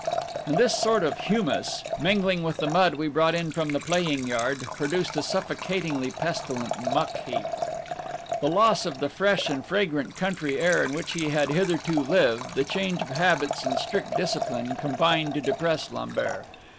And this sort of humus, mingling with the mud we brought in from the playing yard, produced a suffocatingly pestilent muck heap. The loss of the fresh and fragrant country air in which he had hitherto lived, the change of habits and strict discipline, combined to depress Lambert.